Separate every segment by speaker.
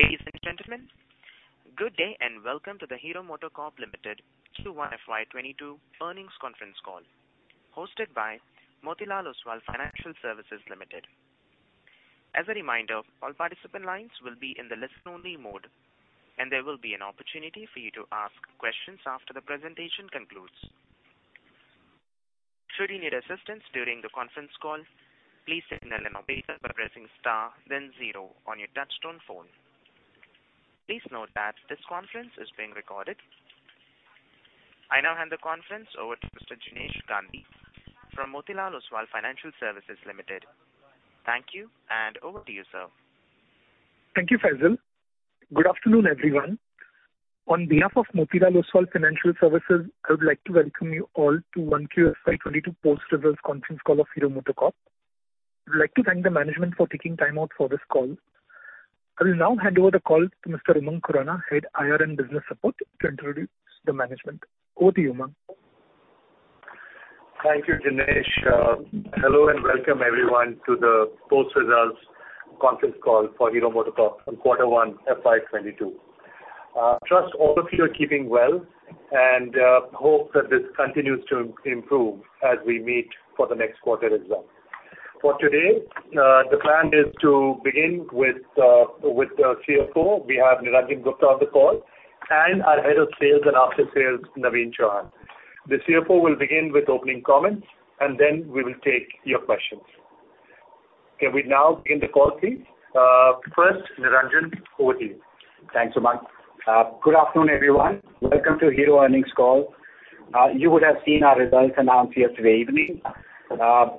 Speaker 1: Ladies and gentlemen, good day and welcome to the Hero MotoCorp Limited Q1 FY 2022 earnings conference call hosted by Motilal Oswal Financial Services Limited. As a reminder, all participant lines will be in the listen-only mode, and there will be an opportunity for you to ask questions after the presentation concludes. Should you need assistance during the conference call, please signal an operator by pressing star then zero on your touchtone phone. Please note that this conference is being recorded. I now hand the conference over to Mr. Jinesh Gandhi from Motilal Oswal Financial Services Limited. Thank you, and over to you, sir.
Speaker 2: Thank you, Faisal. Good afternoon, everyone. On behalf of Motilal Oswal Financial Services, I would like to welcome you all to Q1 FY22 post-results conference call of Hero MotoCorp. I would like to thank the management for taking time out for this call. I will now hand over the call to Mr. Umang Khurana, Head, IR & Business Support, to introduce the management. Over to you, Umang.
Speaker 3: Thank you, Jinesh. Hello and welcome everyone to the post-results conference call for Hero MotoCorp for Quarter One FY22. I trust all of you are keeping well and hope that this continues to improve as we meet for the next quarter as well. For today, the plan is to begin with our CFO. We have Niranjan Gupta on the call and our Head of Sales and After-Sales, Naveen Chauhan. The CFO will begin with opening comments. Then we will take your questions. Can we now begin the call, please? First, Niranjan, over to you.
Speaker 4: Thanks, Umang. Good afternoon, everyone. Welcome to Hero earnings call. You would have seen our results announced yesterday evening.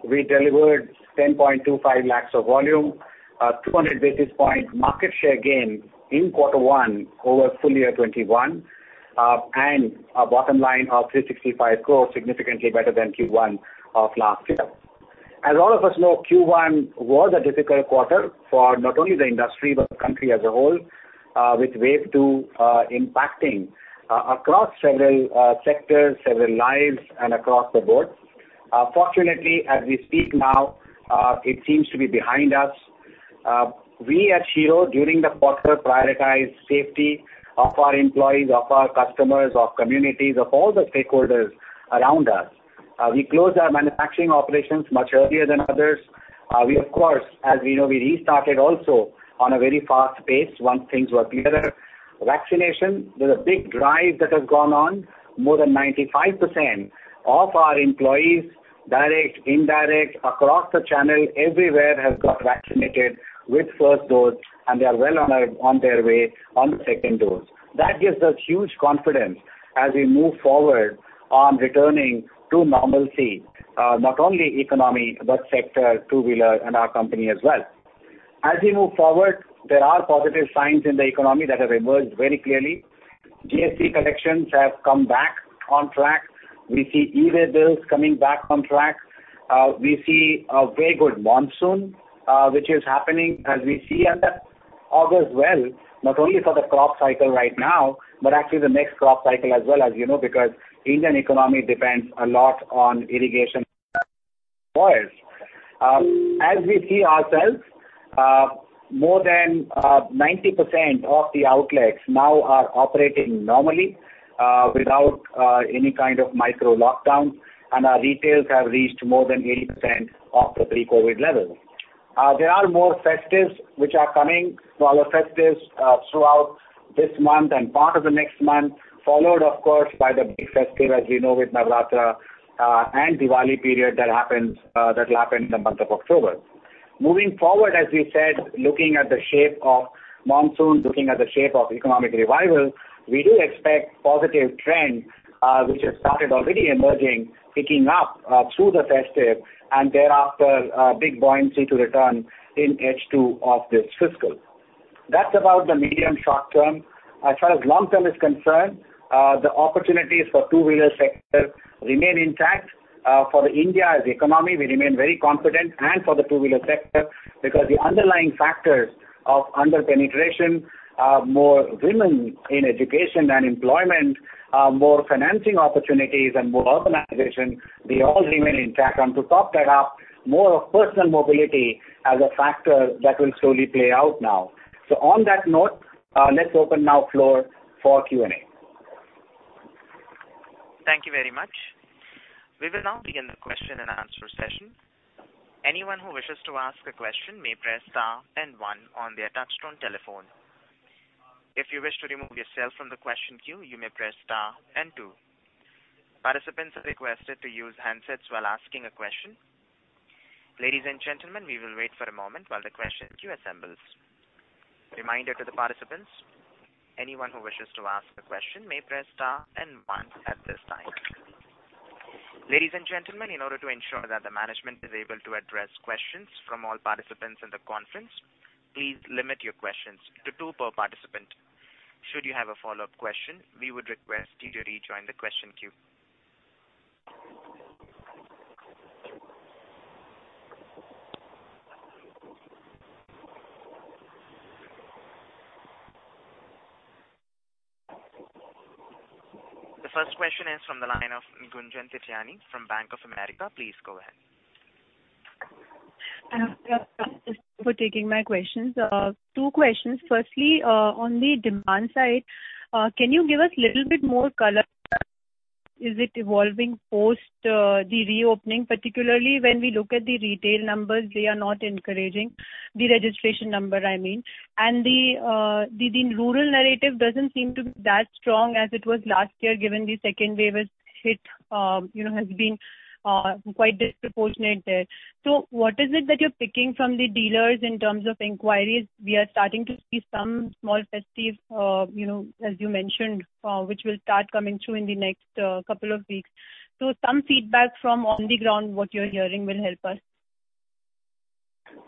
Speaker 4: We delivered 10.25 lakhs of volume, 200 basis point market share gain in quarter one over FY 2021, and a bottom line of 365 crore, significantly better than Q1 of last year. As all of us know, Q1 was a difficult quarter for not only the industry, but the country as a whole, with wave two impacting across several sectors, several lives, and across the board. Fortunately, as we speak now, it seems to be behind us. We at Hero, during the quarter, prioritized safety of our employees, of our customers, of communities, of all the stakeholders around us. We closed our manufacturing operations much earlier than others. We, of course, as we know, we restarted also on a very fast pace once things were better. Vaccination. There's a big drive that has gone on. More than 95% of our employees, direct, indirect, across the channel, everywhere, have got vaccinated with first dose, and they are well on their way on the second dose. That gives us huge confidence as we move forward on returning to normalcy, not only economy, but sector, two-wheeler, and our company as well. As we move forward, there are positive signs in the economy that have emerged very clearly. GST collections have come back on track. We see e-way bills coming back on track. We see a very good monsoon, which is happening as we see and that bodes well not only for the crop cycle right now, but actually the next crop cycle as well, as you know, because Indian economy depends a lot on irrigation. As we see ourselves, more than 90% of the outlets now are operating normally, without any kind of micro-lockdown, and our retail have reached more than 80% of the pre-COVID levels. There are more festives which are coming, smaller festives throughout this month and part of the next month, followed of course, by the big festive, as we know, with Navratri and Diwali period that happens in the month of October. Moving forward, as we said, looking at the shape of monsoons, looking at the shape of economic revival, we do expect positive trends, which have started already emerging, picking up through the festive and thereafter, big buoyancy to return in H2 of this fiscal year. That's about the medium short term. As far as long term is concerned, the opportunities for two-wheeler sector remain intact. For India as economy, we remain very confident, and for the two-wheeler sector, because the underlying factors of under-penetration, more women in education and employment, more financing opportunities, and more urbanization, they all remain intact. And to top that up, more of personal mobility as a factor that will slowly play out now. On that note, let's open now floor for Q&A.
Speaker 1: Thank you very much. We will now begin the question and answer session. Anyone who wishes to ask a question may press star one on their touchtone telephone. If you wish to remove yourself from the question queue, you may press star two. Participants are requested to use handsets while asking a question. Ladies and gentlemen, we will wait for a moment while the question queue assembles. Reminder to the participants, anyone who wishes to ask a question may press star one at this time. Ladies and gentlemen, in order to ensure that the management is able to address questions from all participants in the conference, please limit your questions to two per participant. Should you have a follow-up question, we would request you to rejoin the question queue. Gunjan Prithyani from Bank of America, please go ahead.
Speaker 5: Thank you for taking my questions. Two questions. Firstly, on the demand side, can you give us a little bit more color? Is it evolving post the reopening? Particularly when we look at the retail numbers, they are not encouraging, the registration number, I mean. The rural narrative doesn't seem to be that strong as it was last year, given the second wave hit, has been quite disproportionate there. What is it that you're picking from the dealers in terms of inquiries? We are starting to see some small festive, as you mentioned, which will start coming through in the next couple of weeks. Some feedback from on the ground, what you're hearing will help us.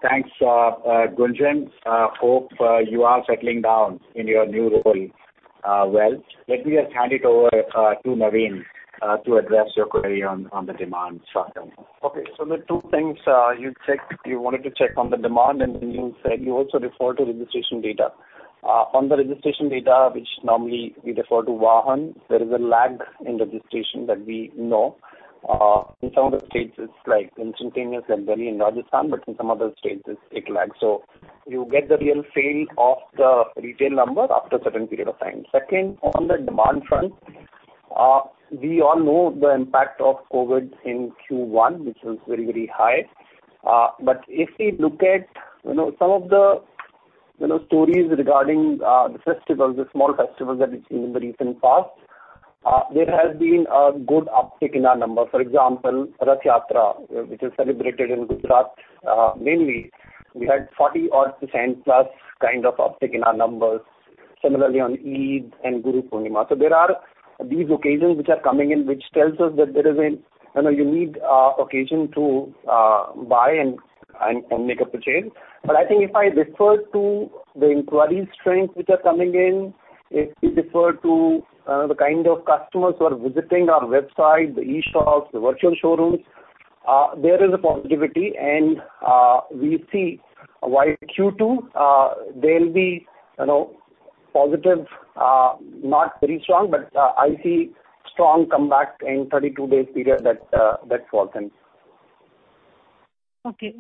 Speaker 4: Thanks, Gunjan. Hope you are settling down in your new role well. Let me hand it over to Naveen to address your query on the demand short term.
Speaker 6: There are two things you wanted to check on the demand, you also referred to registration data. On the registration data, which normally we refer to Vahan, there is a lag in registration that we know. In some of the states, it is instantaneous and very in Rajasthan, but in some other states it lags. You get the real feel of the retail number after a certain period of time. Second, on the demand front, we all know the impact of COVID in Q1, which was very, very high. If we look at some of the stories regarding the small festivals that we've seen in the recent past, there has been a good uptick in our numbers. For example, Rath Yatra, which is celebrated in Gujarat, mainly. We had 40% odd plus kind of uptick in our numbers. Similarly on Eid and Guru Purnima. There are these occasions which are coming in, which tells us that there is a unique occasion to buy and make a purchase. I think if I refer to the inquiry strengths which are coming in, if we refer to the kind of customers who are visiting our website, the e-shops, the virtual showrooms, there is a positivity. We see while Q2, they'll be positive, not very strong, but I see strong comeback in 32 days period that's forthcoming.
Speaker 5: Okay,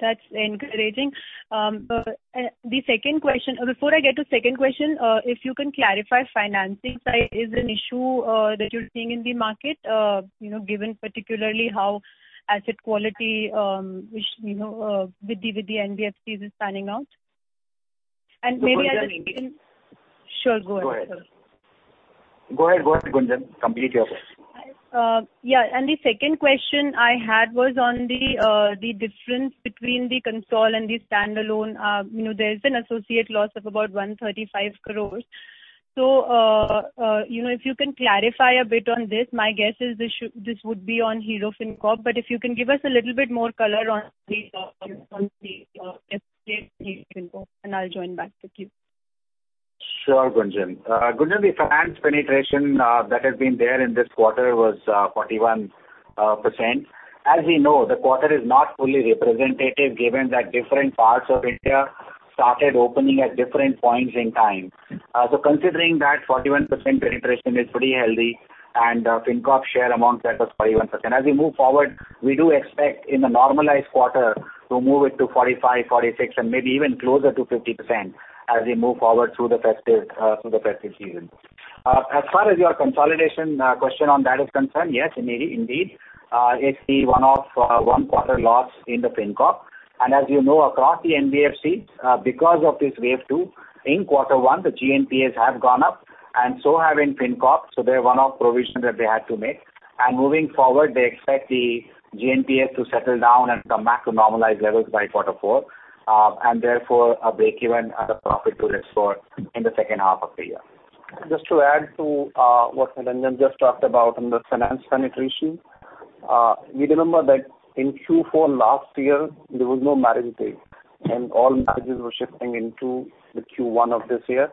Speaker 5: that's encouraging. Before I get to second question, if you can clarify financing side, is an issue that you're seeing in the market, given particularly how asset quality with the NBFCs is panning out?
Speaker 4: Go ahead.
Speaker 5: Sure. Go ahead, sir.
Speaker 4: Go ahead, Gunjan. Complete your question.
Speaker 5: The second question I had was on the difference between the console and the standalone. There is an associate loss of about 135 crore. If you can clarify a bit on this, my guess is this would be on Hero FinCorp, if you can give us a little bit more color on the estimates, I'll join back with you.
Speaker 4: Sure, Gunjan. Gunjan, the finance penetration that has been there in this quarter was 41%. As we know, the quarter is not fully representative given that different parts of India started opening at different points in time. Considering that, 41% penetration is pretty healthy, and Hero FinCorp's share amongst that was 41%. As we move forward, we do expect in a normalized quarter to move it to 45%, 46%, and maybe even closer to 50% as we move forward through the festive season. As far as your consolidation question on that is concerned, yes, indeed. It's the one-off one quarter loss in the Hero FinCorp. As you know, across the NBFC, because of this wave two, in quarter one, the GNPAs have gone up and so have in Hero FinCorp. They're a one-off provision that they had to make. Moving forward, they expect the GNPAs to settle down and come back to normalized levels by quarter four, and therefore, a breakeven as a profit to restore in the second half of the year.
Speaker 6: Just to add to what Niranjan Gupta just talked about on the finance penetration. You remember that in Q4 last year, there was no marriage season, and all marriages were shifting into the Q1 of this year.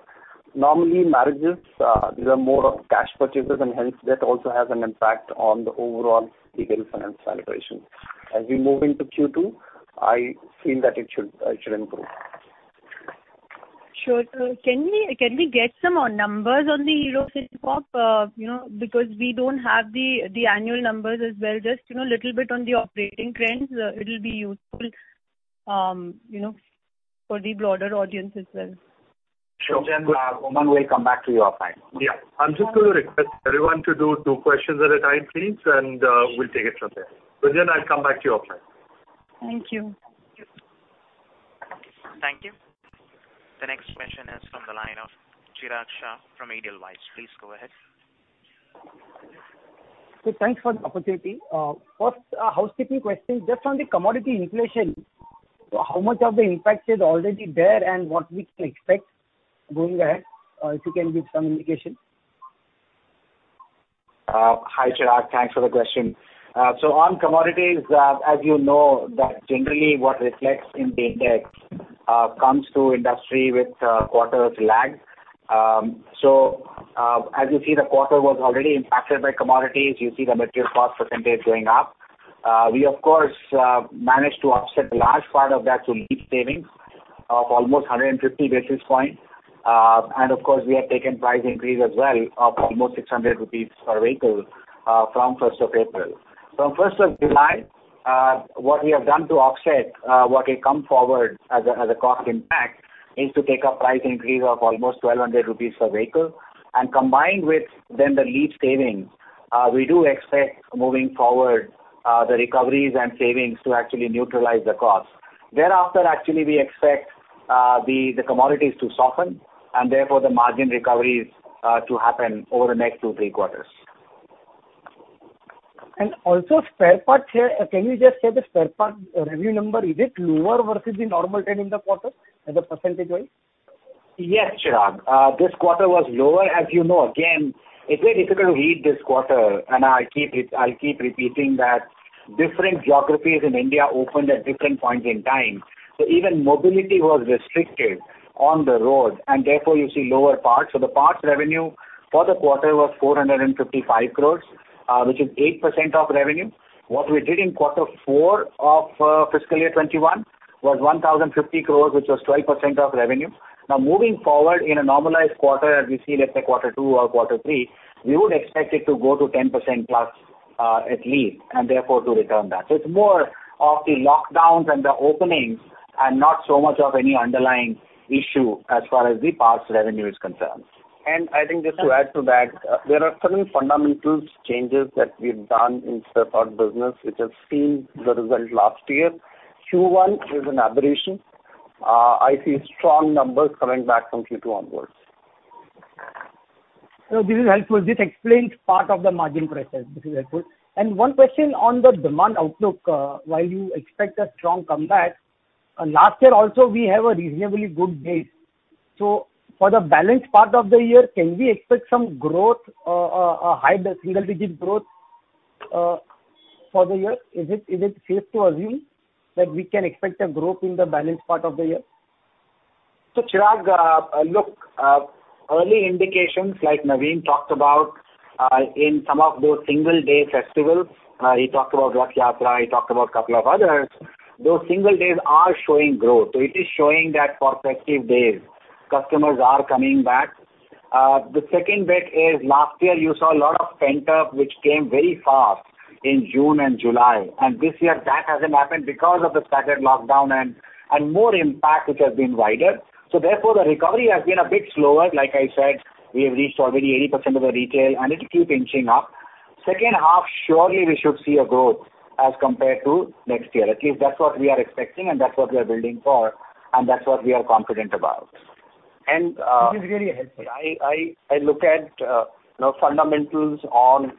Speaker 6: Normally, marriages, these are more of cash purchases, and hence, that also has an impact on the overall retail finance penetration. As we move into Q2, I feel that it should improve.
Speaker 5: Sure. Can we get some numbers on the Hero FinCorp, because we don't have the annual numbers as well. Just little bit on the operating trends, it will be useful for the broader audience as well.
Speaker 4: Sure. Umang Khurana, we'll come back to you offline.
Speaker 3: Yeah. I'm just going to request everyone to do two questions at a time, please, and we'll take it from there. Gunjan Prithyani, I'll come back to you offline.
Speaker 5: Thank you.
Speaker 1: Thank you. The next question is from the line of Chirag Shah from Edelweiss. Please go ahead.
Speaker 7: Thanks for the opportunity. First, a housekeeping question. Just on the commodity inflation, how much of the impact is already there and what we can expect going ahead, if you can give some indication.
Speaker 4: Hi, Chirag. Thanks for the question. On commodities, as you know, that generally what reflects in data comes to industry with quarters lag. As you see, the quarter was already impacted by commodities. You see the material cost percentage going up. We of course, managed to offset the large part of that through Leap savings of almost 150 basis points, and of course, we have taken price increase as well of almost 600 rupees per vehicle from the April 1st. From the July 1st, what we have done to offset what will come forward as a cost impact is to take a price increase of almost 1,200 rupees per vehicle. Combined with then the Leap savings, we do expect, moving forward, the recoveries and savings to actually neutralize the cost. Thereafter, actually, we expect the commodities to soften, and therefore, the margin recoveries to happen over the next two, three quarters.
Speaker 7: Also spare parts here, can you just say the spare part revenue number, is it lower versus the normal trend in the quarter as a percentage rate?
Speaker 4: Yes, Chirag, this quarter was lower. As you know, again, it's very difficult to read this quarter, I'll keep repeating that different geographies in India opened at different points in time. Even mobility was restricted on the road, and therefore, you see lower parts. The parts revenue for the quarter was 455 crores, which is 8% of revenue. What we did in quarter four of fiscal year 2021 was 1,050 crores, which was 12% of revenue. Moving forward, in a normalized quarter as we see, let's say, quarter two or quarter three, we would expect it to go to 10%+ at least, and therefore, to return that. It's more of the lockdowns and the openings and not so much of any underlying issue as far as the parts revenue is concerned.
Speaker 6: I think just to add to that, there are certain fundamental changes that we've done in spare part business, which have seen the result last year. Q1 is an aberration. I see strong numbers coming back from Q2 onwards.
Speaker 7: No, this is helpful. This explains part of the margin pressure. This is helpful. One question on the demand outlook. While you expect a strong comeback, last year also, we have a reasonably good base. For the balance part of the year, can we expect some growth, a high single-digit growth for the year? Is it safe to assume that we can expect a growth in the balance part of the year?
Speaker 4: Chirag, look, early indications like Naveen talked about in some of those single-day festivals, he talked about Rath Yatra, he talked about a couple of others. Those single days are showing growth. It is showing that for festive days, customers are coming back. The second bit is last year you saw a lot of pent-up, which came very fast in June and July, and this year that hasn't happened because of the staggered lockdown and more impact which has been wider. Therefore, the recovery has been a bit slower. Like I said, we have reached already 80% of the retail, and it'll keep inching up. Second half, surely we should see a growth as compared to next year. At least that's what we are expecting, and that's what we are building for, and that's what we are confident about.
Speaker 7: This is really helpful.
Speaker 6: I look at fundamentals on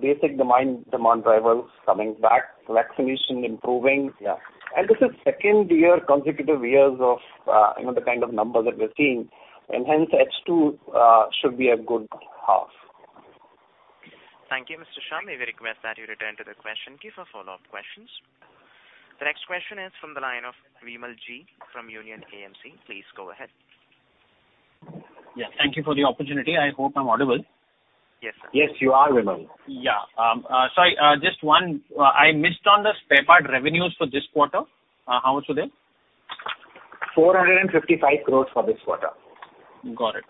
Speaker 6: basic demand drivers coming back, vaccination improving.
Speaker 4: Yeah.
Speaker 6: This is second year, consecutive years of the kind of numbers that we're seeing, and hence H2 should be a good half.
Speaker 1: Thank you, Mr. Shah. We request that you return to the question queue for follow-up questions. The next question is from the line of Vimal Gohil from Union AMC. Please go ahead.
Speaker 8: Yeah. Thank you for the opportunity. I hope I'm audible.
Speaker 1: Yes.
Speaker 4: Yes, you are, Vimal.
Speaker 8: Yeah. Sorry, just one. I missed on the spare part revenues for this quarter. How much were they?
Speaker 4: 455 crores for this quarter.
Speaker 8: Got it.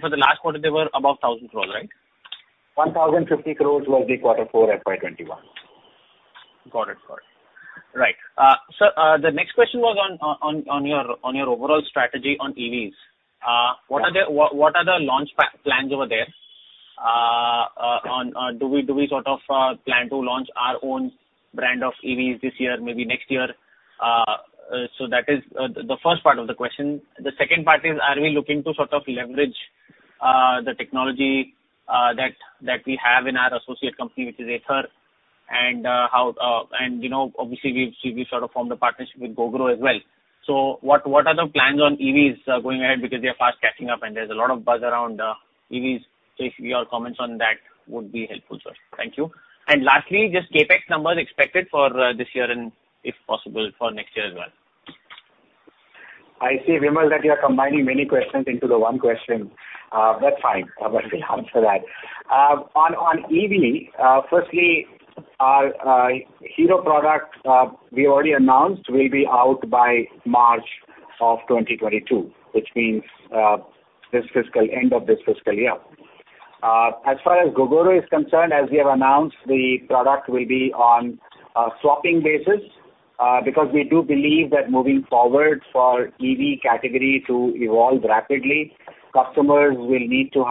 Speaker 8: For the last quarter, they were above 1,000 crores, right?
Speaker 4: 1,050 crores was the quarter four FY 2021.
Speaker 8: Got it. Right. Sir, the next question was on your overall strategy on EVs.
Speaker 4: Yeah.
Speaker 8: What are the launch plans over there? Do we sort of plan to launch our own brand of EVs this year, maybe next year? That is the first part of the question. The second part is, are we looking to leverage the technology that we have in our associate company, which is Ather Energy? Obviously, we've sort of formed a partnership with Gogoro as well. What are the plans on EVs going ahead? Because they are fast catching up, and there's a lot of buzz around EVs. If your comments on that would be helpful, sir. Thank you. Lastly, just CapEx numbers expected for this year and if possible, for next year as well.
Speaker 4: I see, Vimal, that you are combining many questions into the one question. That's fine. I will still answer that. On EV, firstly, our Hero product we already announced will be out by March of 2022, which means end of this fiscal year. As far as Gogoro is concerned, as we have announced, the product will be on a swapping basis, because we do believe that moving forward for EV category to evolve rapidly, customers will need to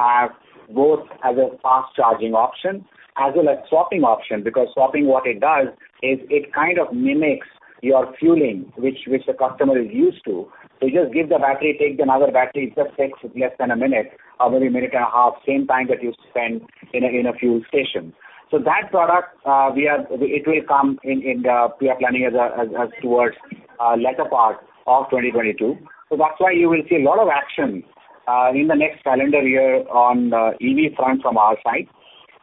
Speaker 4: have both as a fast charging option as well as swapping option. Swapping what it does is it kind of mimics your fueling, which the customer is used to. You just give the battery, take another battery, it just takes less than 1 minute or maybe 1 and a half minutes, same time that you spend in a fuel station. That product, it will come, we are planning towards latter part of 2022. That's why you will see a lot of action in the next calendar year on the EV front from our side.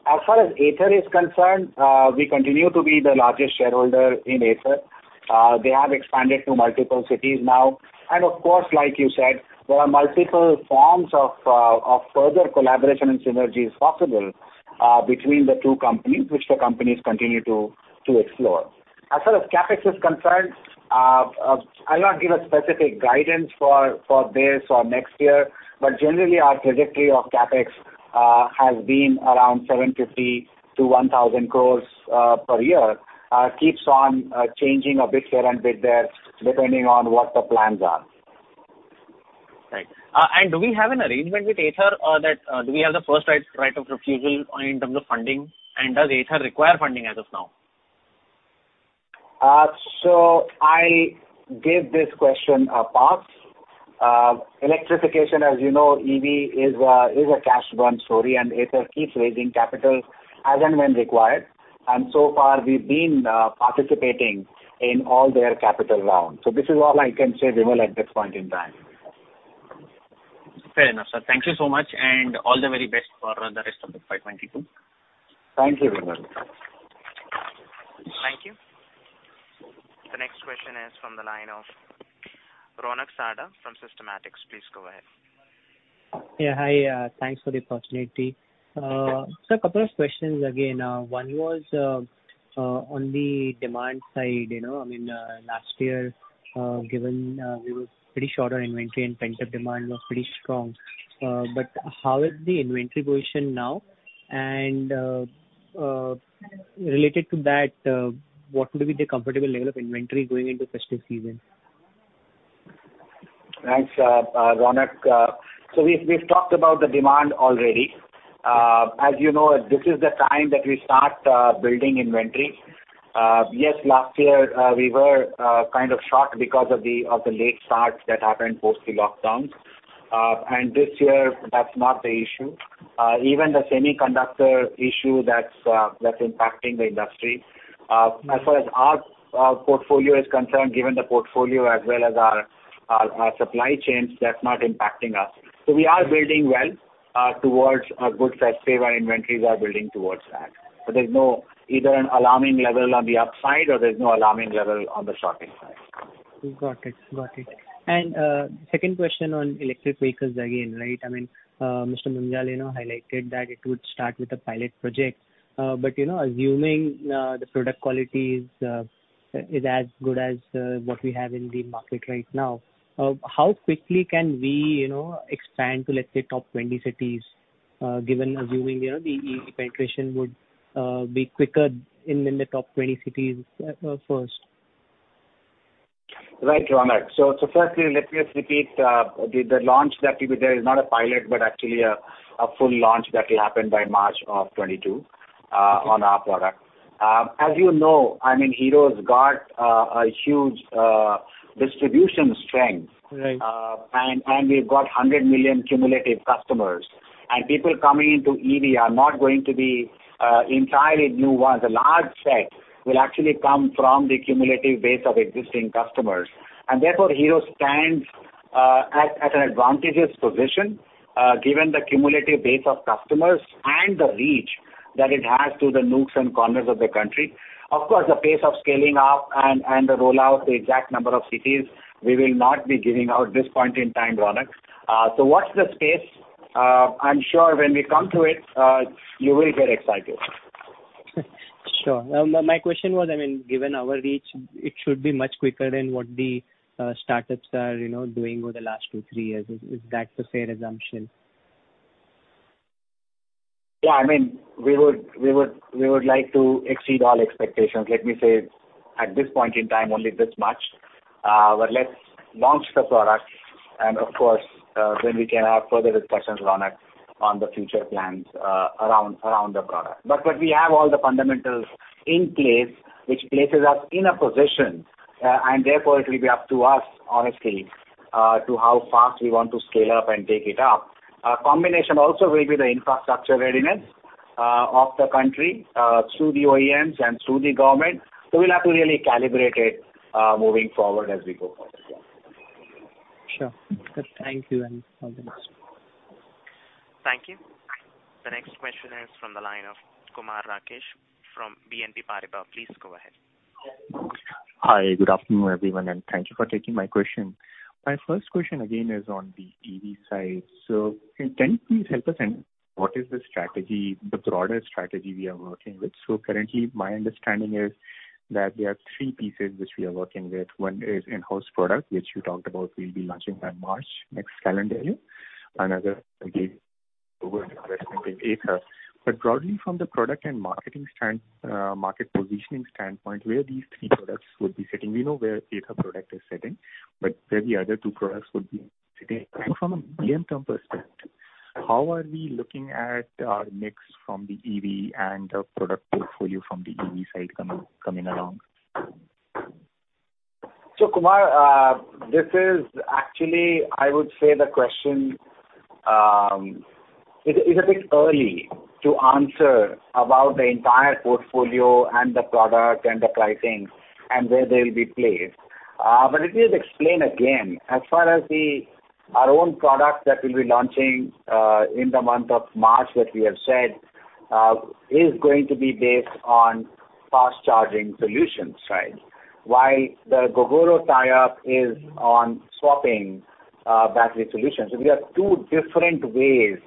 Speaker 4: As far as Ather Energy is concerned, we continue to be the largest shareholder in Ather Energy. They have expanded to multiple cities now. Of course, like you said, there are multiple forms of further collaboration and synergies possible between the two companies, which the companies continue to explore. As far as CapEx is concerned, I'll not give a specific guidance for this or next year, but generally our trajectory of CapEx has been around 750 crores-1,000 crores per year. Keeps on changing a bit here and bit there, depending on what the plans are.
Speaker 8: Right. Do we have an arrangement with Ather Energy? Do we have the first right of refusal in terms of funding? Does Ather Energy require funding as of now?
Speaker 4: I give this question a pass. Electrification, as you know, EV is a cash burn story, and Ather Energy keeps raising capital as and when required. So far, we've been participating in all their capital rounds. This is all I can say, Vimal, at this point in time.
Speaker 8: Fair enough, sir. Thank you so much. All the very best for the rest of the FY2022.
Speaker 4: Thank you, Vimal.
Speaker 1: Thank you. The next question is from the line of Ronak Sarda from Systematix Institutional Equities. Please go ahead.
Speaker 9: Yeah, hi. Thanks for the opportunity. Sir, a couple of questions again. One was on the demand side. Last year, given we were pretty short on inventory and pent-up demand was pretty strong. How is the inventory position now? Related to that, what would be the comfortable level of inventory going into festive season?
Speaker 4: Thanks, Ronak. We've talked about the demand already. As you know, this is the time that we start building inventory. Yes, last year, we were kind of shocked because of the late start that happened post the lockdowns. This year, that's not the issue. Even the semiconductor issue that's impacting the industry. As far as our portfolio is concerned, given the portfolio as well as our supply chains, that's not impacting us. We are building well towards a good festive. Our inventories are building towards that. There's no either an alarming level on the upside or there's no alarming level on the shorting side.
Speaker 9: Got it. Second question on electric vehicles again. Mr. Munjal highlighted that it would start with a pilot project. Assuming the product quality is as good as what we have in the market right now, how quickly can we expand to, let's say, top 20 cities, given assuming the EV penetration would be quicker in the top 20 cities first?
Speaker 4: Right, Ronak. Firstly, let me just repeat, the launch that will be there is not a pilot, but actually a full launch that will happen by March of 2022 on our product. As you know, Hero's got a huge distribution strength.
Speaker 9: Right.
Speaker 4: We've got 100 million cumulative customers. People coming into EV are not going to be entirely new ones. A large set will actually come from the cumulative base of existing customers. Therefore, Hero stands at an advantageous position, given the cumulative base of customers and the reach that it has to the nooks and corners of the country. Of course, the pace of scaling up and the rollout, the exact number of cities, we will not be giving out at this point in time, Ronak. Watch this space. I'm sure when we come to it, you will get excited.
Speaker 9: Sure. My question was, given our reach, it should be much quicker than what the startups are doing over the last two, three years. Is that a fair assumption?
Speaker 4: Yeah, we would like to exceed all expectations. Let me say, at this point in time, only this much. Let's launch the product and, of course, then we can have further discussions, Ronak, on the future plans around the product. We have all the fundamentals in place, which places us in a position. Therefore, it will be up to us, honestly, to how fast we want to scale up and take it up. A combination also will be the infrastructure readiness of the country, through the OEMs and through the government. We'll have to really calibrate it moving forward as we go forward.
Speaker 9: Sure. Good. Thank you and all the best.
Speaker 1: Thank you. The next question is from the line of Kumar Rakesh from BNP Paribas. Please go ahead.
Speaker 10: Hi. Good afternoon, everyone, and thank you for taking my question. My first question, again, is on the EV side. Can you please help us in what is the strategy, the broader strategy we are working with? Currently, my understanding is that there are three pieces which we are working with. One is in-house product, which you talked about will be launching by March next calendar year. Another, again, with our investment in Ather Energy. Broadly from the product and market positioning standpoint, where these three products would be sitting. We know where Ather Energy product is sitting, but where the other two products would be sitting. From a medium-term perspective, how are we looking at our mix from the EV and the product portfolio from the EV side coming along?
Speaker 4: Kumar, this is actually, I would say the question, is a bit early to answer about the entire portfolio and the product and the pricing and where they'll be placed. Let me just explain again. As far as our own product that we'll be launching in the month of March that we have said is going to be based on fast charging solutions side, while the Gogoro tie-up is on swapping battery solutions. We have two different ways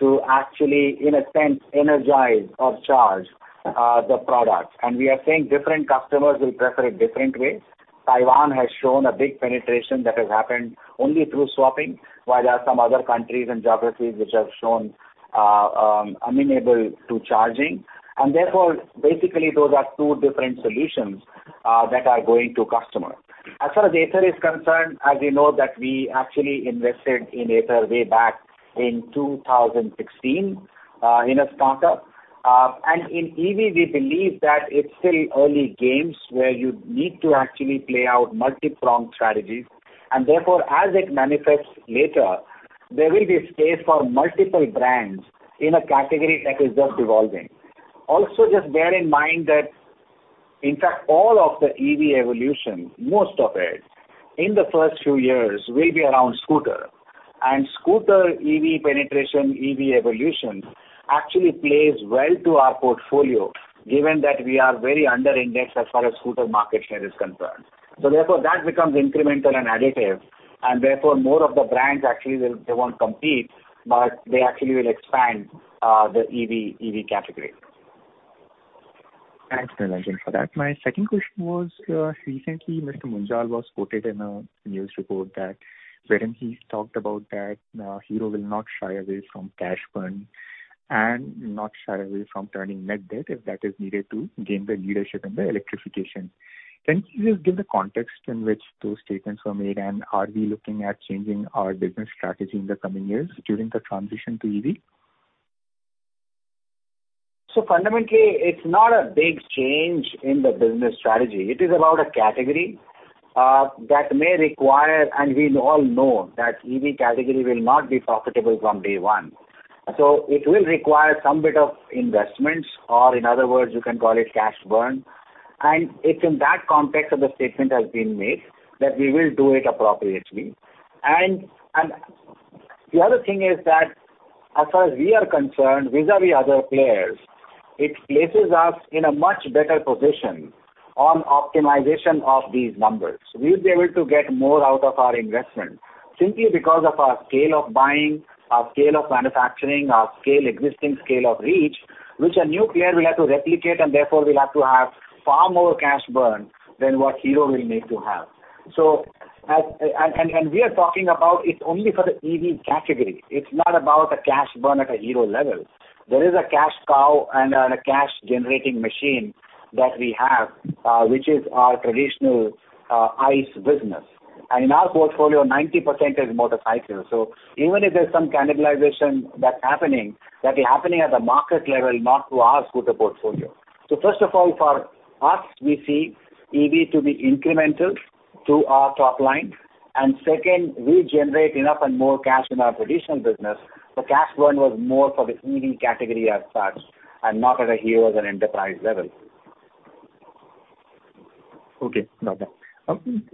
Speaker 4: to actually, in a sense, energize or charge the products. We are saying different customers will prefer it different ways. Taiwan has shown a big penetration that has happened only through swapping, while there are some other countries and geographies which have shown amenable to charging. Therefore, basically, those are two different solutions that are going to customer. Far as Ather Energy is concerned, as you know that we actually invested in Ather Energy way back in 2016, in a startup. In EV, we believe that it's still early games where you need to actually play out multi-pronged strategies. Therefore, as it manifests later, there will be space for multiple brands in a category that is just evolving. Just bear in mind that, in fact, all of the EV evolution, most of it, in the first few years, will be around scooter. Scooter EV penetration, EV evolution, actually plays well to our portfolio given that we are very under indexed as far as scooter market share is concerned. Therefore, that becomes incremental and additive, and therefore, more of the brands actually they won't compete, but they actually will expand the EV category.
Speaker 10: Thanks, Niranjan, again for that. My second question was, recently, Mr. Munjal was quoted in a news report wherein he talked about that Hero will not shy away from cash burn and not shy away from turning net debt if that is needed to gain the leadership in the electrification. Can you just give the context in which those statements were made, and are we looking at changing our business strategy in the coming years during the transition to EV?
Speaker 4: Fundamentally, it's not a big change in the business strategy. It is about a category that may require, we all know that EV category will not be profitable from day one. It will require some bit of investments or, in other words, you can call it cash burn. It's in that context that the statement has been made, that we will do it appropriately. The other thing is that as far as we are concerned, vis-à-vis other players, it places us in a much better position on optimization of these numbers. We will be able to get more out of our investment simply because of our scale of buying, our scale of manufacturing, our existing scale of reach, which a new player will have to replicate, and therefore will have to have far more cash burn than what Hero will need to have. We are talking about it only for the EV category. It's not about a cash burn at a Hero level. There is a cash cow and a cash generating machine that we have, which is our traditional ICE business. In our portfolio, 90% is motorcycles. Even if there's some cannibalization that happening, that is happening at the market level, not to our scooter portfolio. First of all, for us, we see EV to be incremental to our top line. Second, we generate enough and more cash in our traditional business. Cash burn was more for the EV category as such, and not at a Hero or an enterprise level.
Speaker 10: Okay. Noted.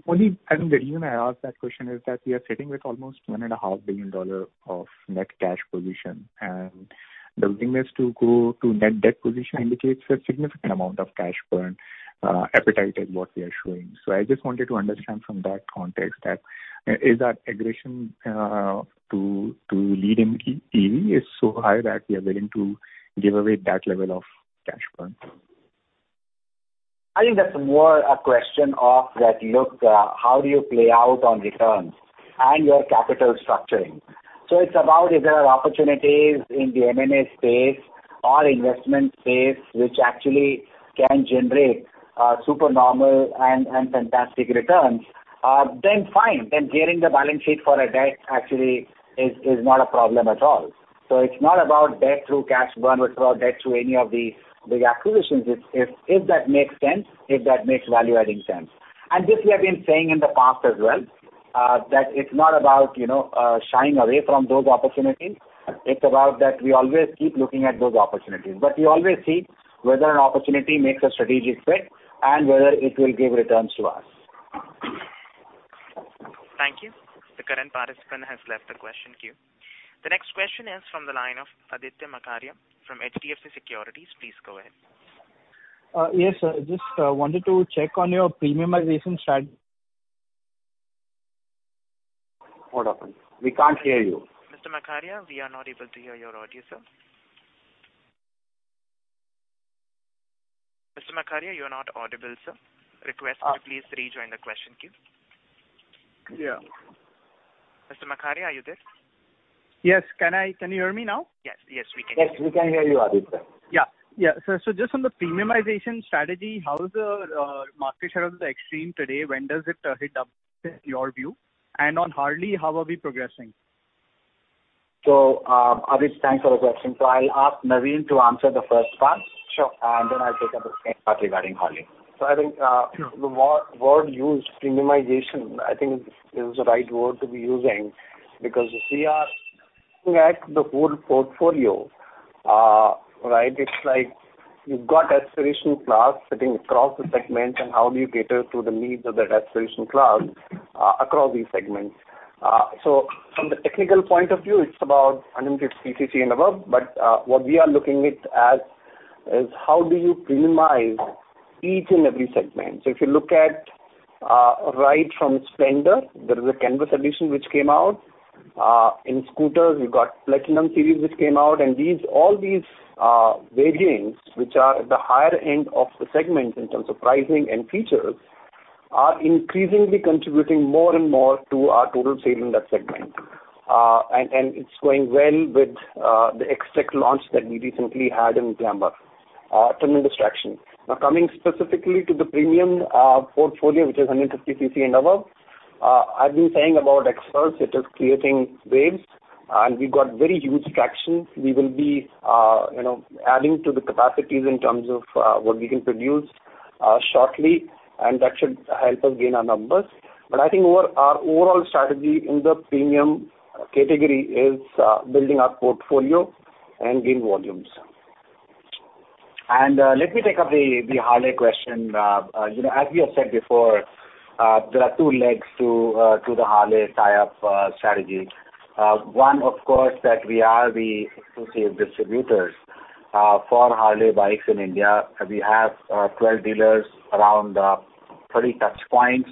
Speaker 10: Only reason I asked that question is that we are sitting with almost $1.5 billion of net cash position, and willingness to go to net debt position indicates a significant amount of cash burn appetite is what we are showing. I just wanted to understand from that context that, is that aggression to lead in EV is so high that we are willing to give away that level of cash burn?
Speaker 4: I think that's more a question of that look, how do you play out on returns and your capital structuring? It's about if there are opportunities in the M&A space or investment space which actually can generate super normal and fantastic returns, then fine. Gearing the balance sheet for a debt actually is not a problem at all. It's not about debt through cash burn or through debt through any of the acquisitions. If that makes sense, if that makes value-adding sense. This we have been saying in the past as well, that it's not about shying away from those opportunities. It's about that we always keep looking at those opportunities. We always see whether an opportunity makes a strategic fit and whether it will give returns to us.
Speaker 1: Thank you. The current participant has left the question queue. The next question is from the line of Aditya Makharia from HDFC Securities. Please go ahead.
Speaker 11: Yes, sir. Just wanted to check on your premiumization.
Speaker 4: What happened? We can't hear you.
Speaker 1: Mr. Makharia, we are not able to hear your audio, sir. Mr. Makharia, you are not audible, sir. Request to please rejoin the question queue.
Speaker 11: Yeah.
Speaker 1: Mr. Makharia, are you there?
Speaker 11: Yes. Can you hear me now?
Speaker 1: Yes, we can hear you.
Speaker 4: Yes, we can hear you, Aditya.
Speaker 11: Just on the premiumization strategy, how is the market share of the Xtreme today? When does it hit up in your view? On Harley-Davidson, how are we progressing?
Speaker 4: Aditya, thanks for the question. I'll ask Naveen to answer the first part.
Speaker 6: Sure.
Speaker 4: I'll take up the second part regarding Harley-Davidson.
Speaker 6: I think the word used, premiumization, I think is the right word to be using because we are looking at the whole portfolio. It's like. You've got aspiration class sitting across the segments. How do you cater to the needs of that aspiration class across these segments? From the technical point of view, it's about 150cc and above. What we are looking at is, how do you premiumize each and every segment. If you look at right from Splendor, there is a Canvas edition which came out. In scooters, you got Platinum series which came out. All these variants, which are at the higher end of the segment in terms of pricing and features, are increasingly contributing more and more to our total sale in that segment. It's going well with the Xtec launch that we recently had in Glamour. Tremendous traction. Now, coming specifically to the premium portfolio, which is 150cc and above. I've been saying about Xpulse. It is creating waves. We got very huge traction. We will be adding to the capacities in terms of what we can produce shortly, and that should help us gain our numbers. I think our overall strategy in the premium category is building our portfolio and gain volumes.
Speaker 4: Let me take up the Harley-Davidson question. As we have said before, there are two legs to the Harley-Davidson tie-up strategy. One, of course, that we are the exclusive distributors for Harley bikes in India. We have 12 dealers around 30 touchpoints,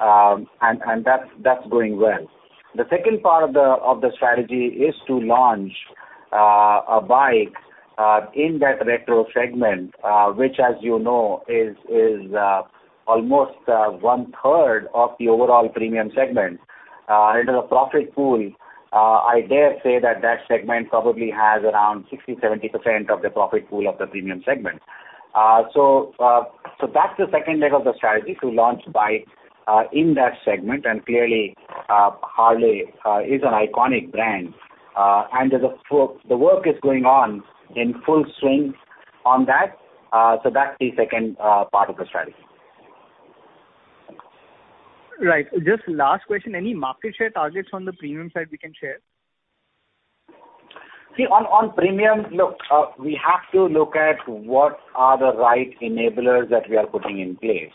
Speaker 4: and that's going well. The second part of the strategy is to launch a bike in that retro segment, which as you know, is almost 1/3 of the overall premium segment. In the profit pool, I dare say that segment probably has around 60%-70% of the profit pool of the premium segment. That's the second leg of the strategy, to launch bikes in that segment. Clearly, Harley-Davidson is an iconic brand. The work is going on in full swing on that. That's the second part of the strategy.
Speaker 11: Right. Just last question. Any market share targets on the premium side we can share?
Speaker 4: See, on premium, look, we have to look at what are the right enablers that we are putting in place.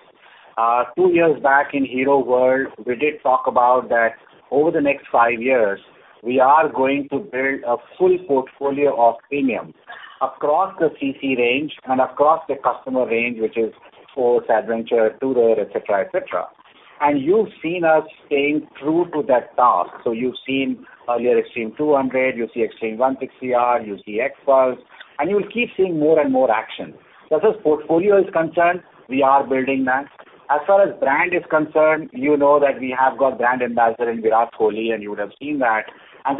Speaker 4: Two years back in Hero World, we did talk about that over the next five years, we are going to build a full portfolio of premiums across the cc range and across the customer range, which is sports, adventure, tourer, et cetera. You've seen us staying true to that task. You've seen earlier Xtreme 200, you see Xtreme 160R, you see Xpulse, and you will keep seeing more and more action. As far as portfolio is concerned, we are building that. As far as brand is concerned, you know that we have got brand ambassador in Virat Kohli, and you would have seen that.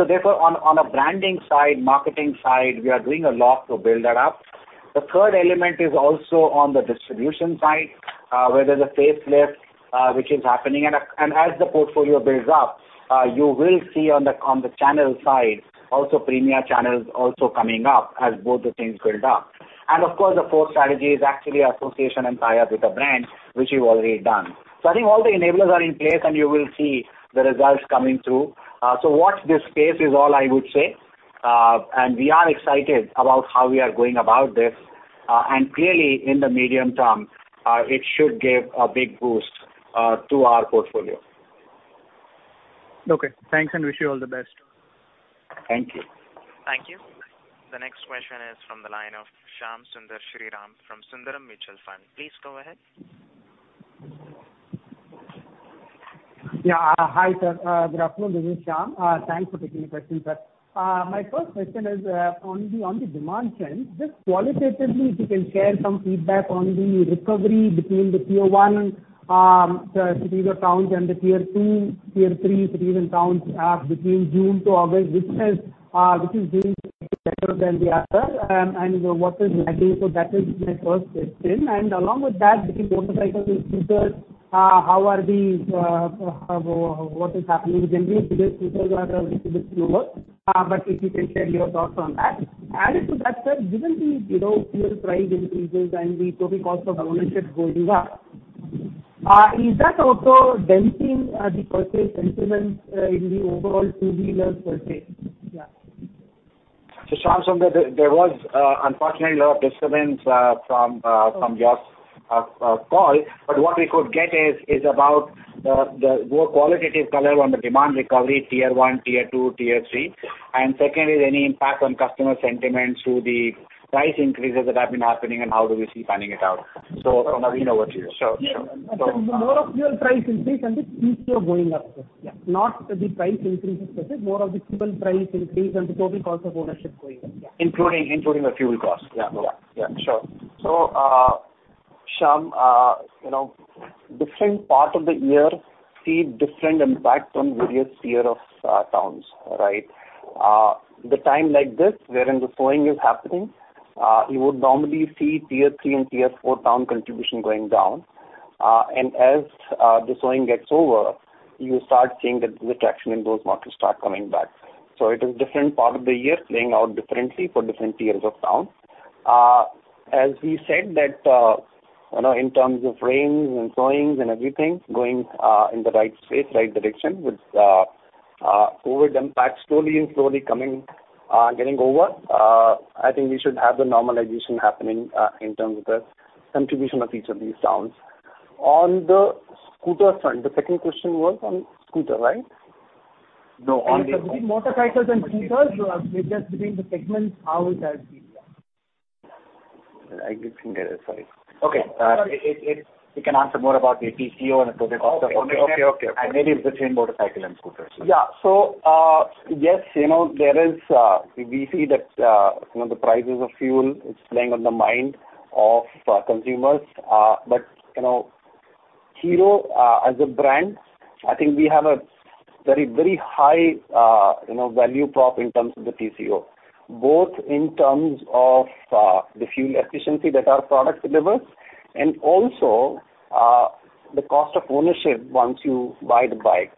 Speaker 4: Therefore on a branding side, marketing side, we are doing a lot to build that up. The third element is also on the distribution side, where there is a facelift which is happening. As the portfolio builds up, you will see on the channel side, also premier channels also coming up as both the things build up. Of course, the fourth strategy is actually association and tie-up with the brand, which we have already done. I think all the enablers are in place, and you will see the results coming through. Watch this space is all I would say. We are excited about how we are going about this. Clearly, in the medium term, it should give a big boost to our portfolio.
Speaker 11: Okay, thanks and wish you all the best.
Speaker 4: Thank you.
Speaker 1: Thank you. The next question is from the line of Shyam Sundar Sriram from Sundaram Mutual Fund. Please go ahead.
Speaker 12: Yeah. Hi, sir. Good afternoon. This is Shyam. Thanks for taking the question, sir. My first question is on the demand trend. Just qualitatively, if you can share some feedback on the recovery between the tier one cities or towns and the tier two, tier three cities and towns between June to August, which is doing better than the other, and what is lacking. That is my first question. Along with that, between motorcycles and scooters, what is happening generally? Today, scooters are a bit slower. If you can share your thoughts on that. Added to that, sir, given the fuel price increases and the total cost of ownership going up, is that also denting the purchase sentiments in the overall two-wheeler purchase? Yeah.
Speaker 4: Shyam, there was unfortunately a lot of disturbance from your call. What we could get is about the more qualitative color on the demand recovery, tier one, tier two, tier three. Second is any impact on customer sentiments through the price increases that have been happening, and how do we see planning it out? From Naveen over to you. Sure.
Speaker 12: Yeah. More of fuel price increase and the TCO going up.
Speaker 4: Yeah.
Speaker 12: Not the price increase especially, more of the fuel price increase and the total cost of ownership going up. Yeah.
Speaker 4: Including the fuel cost. Yeah. Sure.
Speaker 6: Shyam, different part of the year see different impact on various tier of towns. Right? The time like this, wherein the sowing is happening, you would normally see tier three and tier four town contribution going down. As the sowing gets over, you start seeing that the traction in those markets start coming back. It is different part of the year playing out differently for different tiers of town. In terms of rains and sowings and everything, going in the right space, right direction with COVID impact slowly coming, getting over. I think we should have the normalization happening in terms of the contribution of each of these towns. On the scooter front, the second question was on scooter, right?
Speaker 4: No.
Speaker 12: Between motorcycles and scooters. Just between the segments, how it has been, yeah?
Speaker 6: I didn't get it, sorry.
Speaker 4: Okay. We can answer more about the TCO and the total cost of ownership.
Speaker 6: Okay
Speaker 4: Maybe the chain motorcycle and scooters.
Speaker 6: Yes, we see that the prices of fuel is playing on the mind of consumers. Hero, as a brand, I think we have a very high value prop in terms of the TCO, both in terms of the fuel efficiency that our product delivers and also the cost of ownership once you buy the bike.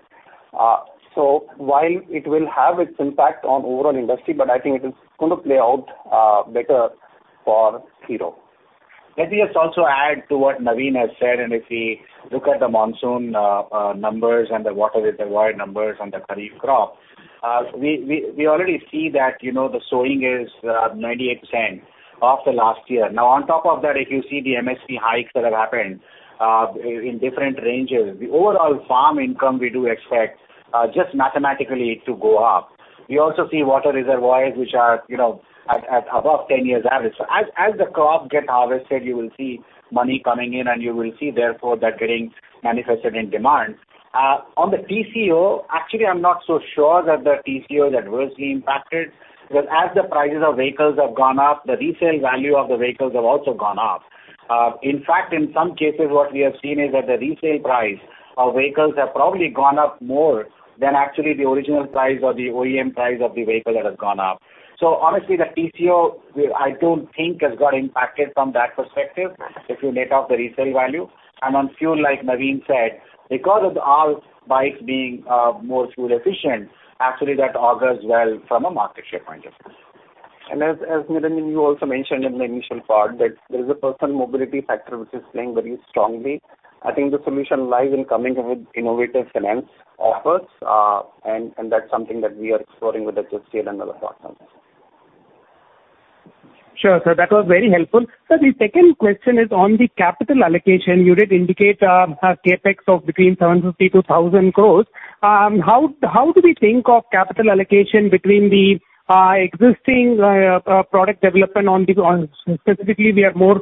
Speaker 6: While it will have its impact on overall industry, but I think it is going to play out better for Hero.
Speaker 4: Let me just also add to what Naveen has said. If we look at the monsoon numbers and the water reserve numbers on the kharif crop, we already see that the sowing is 98% of the last year. On top of that, if you see the MSP hikes that have happened in different ranges, the overall farm income, we do expect just mathematically to go up. We also see water reservoirs which are above 10 years average. As the crop get harvested, you will see money coming in and you will see therefore that getting manifested in demand. On the TCO, actually, I'm not so sure that the TCO is adversely impacted, because as the prices of vehicles have gone up, the resale value of the vehicles have also gone up. In fact, in some cases, what we have seen is that the resale price of vehicles have probably gone up more than actually the original price or the OEM price of the vehicle that has gone up. Honestly, the TCO, I don't think has got impacted from that perspective, if you net off the resale value. On fuel, like Naveen said, because of our bikes being more fuel efficient, actually that augurs well from a market share point of view.
Speaker 6: As, Niranjan, you also mentioned in the initial part that there is a personal mobility factor which is playing very strongly. I think the solution lies in coming up with innovative finance offers, and that's something that we are exploring with Equitas and other partners.
Speaker 12: Sure, sir, that was very helpful. Sir, the second question is on the capital allocation. You did indicate a CapEx of between 750 crores-1,000 crores. How do we think of capital allocation between the existing product development on, specifically, we are more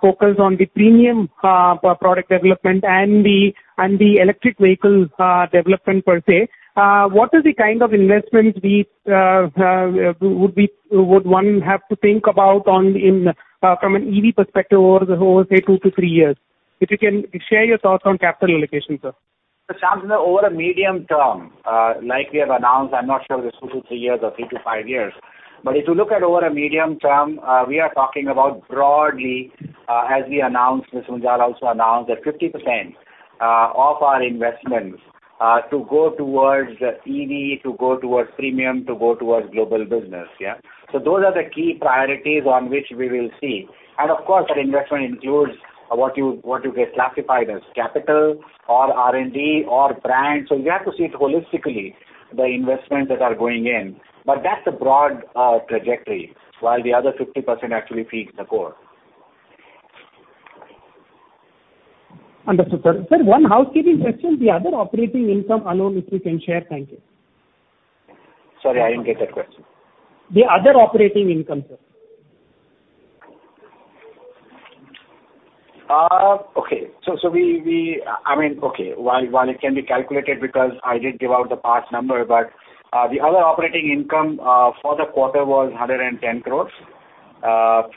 Speaker 12: focused on the premium product development and the electric vehicles development per se. What is the kind of investment would one have to think about from an EV perspective over, say, two to three years? If you can share your thoughts on capital allocation, sir.
Speaker 4: Shyam Sundar Sriram, over a medium term, like we have announced, I'm not sure if it's two to three years or three to five years. If you look at over a medium term, we are talking about broadly, as we announced, Mr. Munjal also announced, that 50% of our investments to go towards EV, to go towards premium, to go towards global business. Yeah. Those are the key priorities on which we will see. Of course, that investment includes what you get classified as capital or R&D or brand. You have to see it holistically, the investments that are going in. That's the broad trajectory, while the other 50% actually feeds the core.
Speaker 12: Understood, sir. Sir, one housekeeping question. The other operating income, I don't know if you can share. Thank you.
Speaker 4: Sorry, I didn't get that question.
Speaker 12: The other operating income, sir.
Speaker 4: Okay. While it can be calculated because I did give out the past number, the other operating income for the quarter was 110 crores.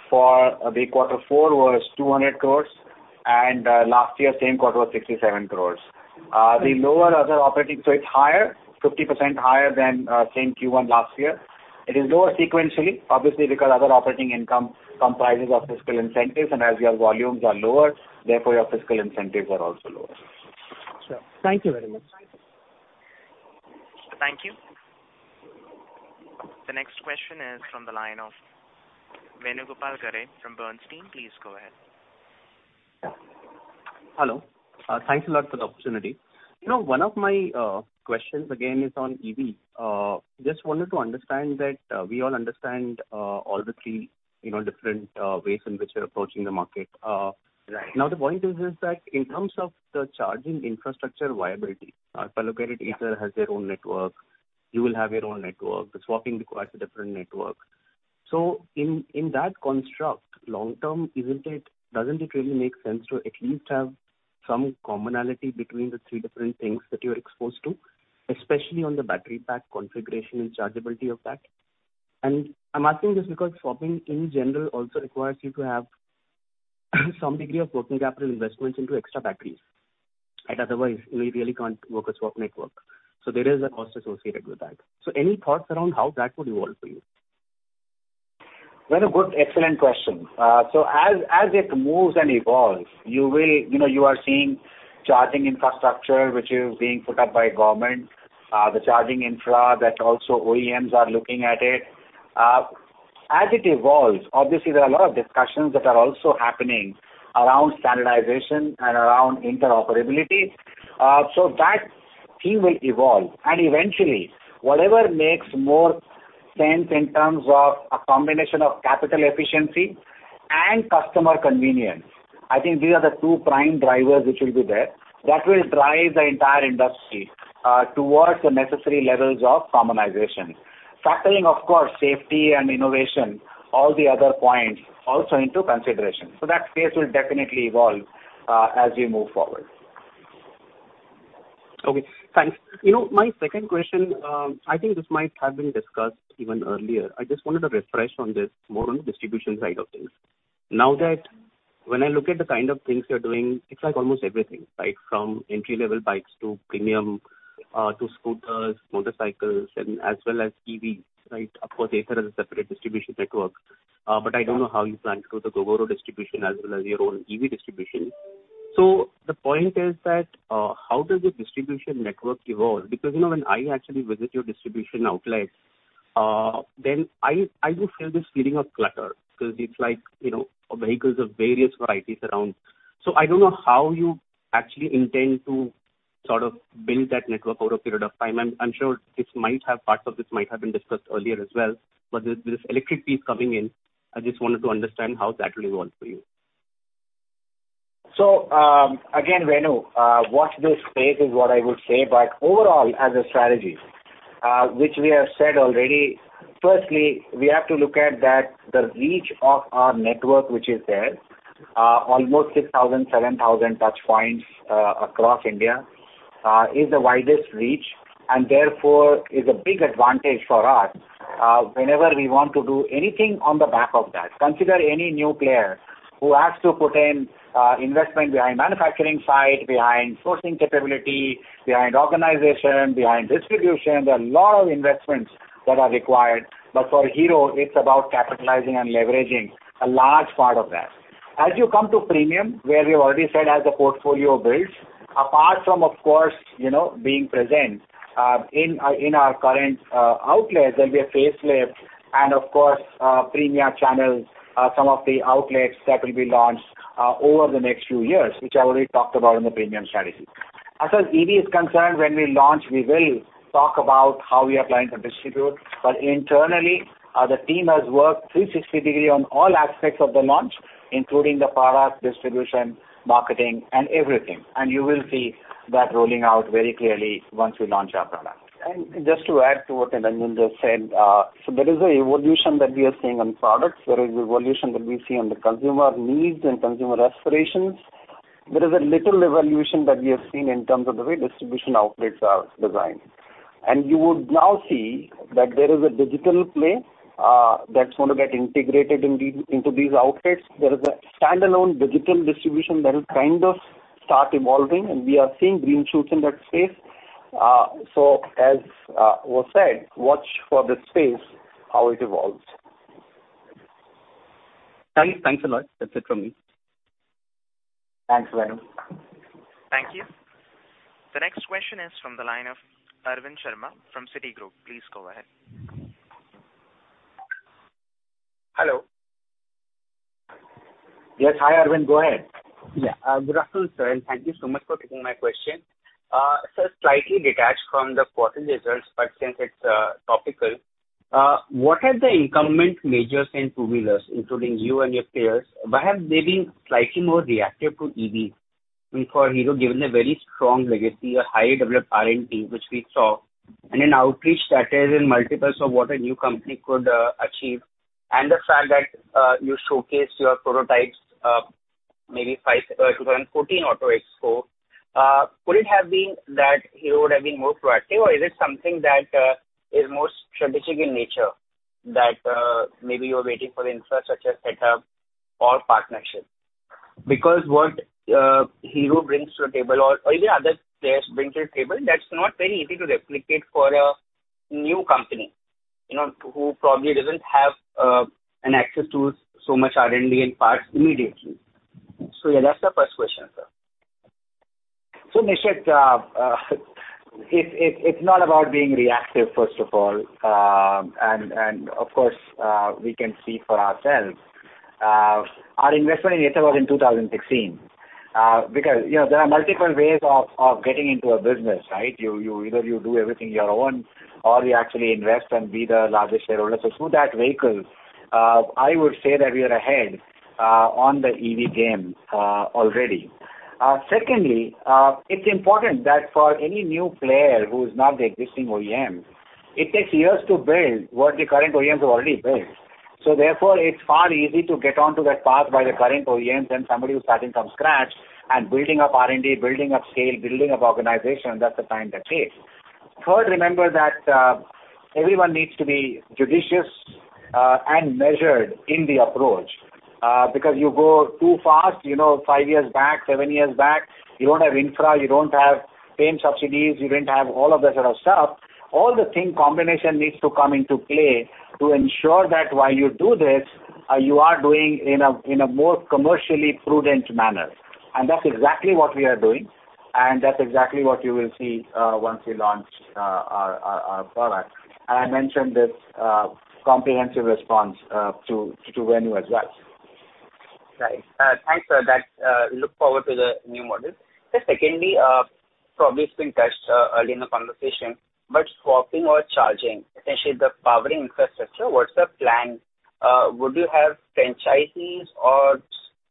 Speaker 4: For the quarter four was 200 crores, and last year, same quarter was 67 crores. It's higher, 50% higher than same Q1 last year. It is lower sequentially, obviously because other operating income comprises of fiscal incentives, and as your volumes are lower, therefore your fiscal incentives are also lower.
Speaker 12: Sure. Thank you very much.
Speaker 1: Thank you. The next question is from the line of Venugopal Garre from Bernstein. Please go ahead.
Speaker 13: Hello. Thanks a lot for the opportunity. One of my questions again is on EV. Just wanted to understand that we all understand all the three different ways in which you're approaching the market.
Speaker 4: Right.
Speaker 13: The point is that in terms of the charging infrastructure viability, if I look at it, Ather has their own network, you will have your own network. The swapping requires a different network. In that construct, long term, doesn't it really make sense to at least have some commonality between the three different things that you're exposed to, especially on the battery pack configuration and chargeability of that? And I'm asking this because swapping in general also requires you to have some degree of working capital investments into extra batteries, and otherwise you really can't work a swap network. There is a cost associated with that. Any thoughts around how that would evolve for you?
Speaker 4: Venugopal, good, excellent question. As it moves and evolves, you are seeing charging infrastructure, which is being put up by government, the charging infra that also OEMs are looking at it. As it evolves, obviously, there are a lot of discussions that are also happening around standardization and around interoperability. That team will evolve, and eventually whatever makes more sense in terms of a combination of capital efficiency and customer convenience. I think these are the two prime drivers which will be there, that will drive the entire industry towards the necessary levels of harmonization. Factoring, of course, safety and innovation, all the other points also into consideration. That space will definitely evolve as we move forward.
Speaker 13: Okay, thanks. My second question, I think this might have been discussed even earlier. I just wanted a refresh on this, more on the distribution side of things. When I look at the kind of things you're doing, it's like almost everything, right? From entry-level bikes to premium, to scooters, motorcycles, and as well as EVs. Of course, Ather has a separate distribution network. I don't know how you plan to do the Gogoro distribution as well as your own EV distribution. The point is that, how does the distribution network evolve? When I actually visit your distribution outlets, then I do feel this feeling of clutter because it's like, vehicles of various varieties around. I don't know how you actually intend to sort of build that network over a period of time. I'm sure parts of this might have been discussed earlier as well, but with this electric piece coming in, I just wanted to understand how that will evolve for you.
Speaker 4: Again, Venugopal, watch this space is what I would say. Overall, as a strategy, which we have said already, firstly, we have to look at the reach of our network which is there. Almost 6,000, 7,000 touchpoints across India is the widest reach, and therefore is a big advantage for us whenever we want to do anything on the back of that. Consider any new player who has to put in investment behind manufacturing side, behind sourcing capability, behind organization, behind distribution. There are a lot of investments that are required. For Hero, it's about capitalizing and leveraging a large part of that. As you come to premium, where we've already said as the portfolio builds, apart from, of course, being present in our current outlets, there will be a facelift and, of course, premier channels, some of the outlets that will be launched over the next few years, which I already talked about in the premium strategy. As far as EV is concerned, when we launch, we will talk about how we are planning to distribute, but internally, the team has worked 360-degree on all aspects of the launch, including the product, distribution, marketing, and everything. You will see that rolling out very clearly once we launch our product.
Speaker 6: Just to add to what Niranjan Gupta just said, there is a evolution that we are seeing on products. There is evolution that we see on the consumer needs and consumer aspirations. There is a little evolution that we have seen in terms of the way distribution outlets are designed. You would now see that there is a digital play that's going to get integrated into these outlets. There is a standalone digital distribution that will kind of start evolving, and we are seeing green shoots in that space. As was said, watch for this space, how it evolves.
Speaker 13: Thanks. Thanks a lot. That's it from me.
Speaker 4: Thanks, Venugopal.
Speaker 1: Thank you. The next question is from the line of Arvind Sharma from Citigroup. Please go ahead.
Speaker 14: Hello.
Speaker 4: Yes. Hi, Arvind. Go ahead.
Speaker 14: Good afternoon, sir, and thank you so much for taking my question. Sir, slightly detached from the quarter results, but since it is topical, what are the incumbent majors in two-wheelers, including you and your peers, why have they been slightly more reactive to EVs? I mean, for Hero, given a very strong legacy, a highly developed R&D, which we saw, and an outreach that is in multiples of what a new company could achieve, and the fact that you showcased your prototypes maybe 2014 Auto Expo. Could it have been that Hero would have been more proactive, or is it something that is more strategic in nature that maybe you are waiting for infrastructure setup or partnership? What Hero brings to the table or even other players bring to the table, that's not very easy to replicate for a new company, who probably doesn't have an access to so much R&D and parts immediately. Yeah, that's the first question, sir.
Speaker 4: Arvind, it's not about being reactive, first of all. Of course, we can see for ourselves. Our investment in Ather was in 2016. There are multiple ways of getting into a business, right? Either you do everything your own, or you actually invest and be the largest shareholder. Through that vehicle, I would say that we are ahead on the EV game already. Secondly, it's important that for any new player who is not the existing OEM, it takes years to build what the current OEMs have already built. Therefore, it's far easy to get onto that path by the current OEMs than somebody who's starting from scratch and building up R&D, building up scale, building up organization. That's the time that takes. Third, remember that everyone needs to be judicious and measured in the approach. You go too fast, five years back, seven years back, you don't have infra, you don't have FAME subsidies, you didn't have all of that sort of stuff. All the thing combination needs to come into play to ensure that while you do this, you are doing in a more commercially prudent manner. That's exactly what we are doing. That's exactly what you will see once we launch our product. I mentioned this comprehensive response to Venugopal as well.
Speaker 14: Right. Thanks for that. Look forward to the new model. Secondly, probably it's been touched earlier in the conversation, but swapping or charging, essentially the powering infrastructure, what's the plan? Would you have franchisees or